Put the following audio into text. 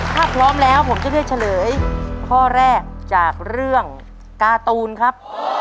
ถ้าพร้อมแล้วผมจะเลือกเฉลยข้อแรกจากเรื่องการ์ตูนครับ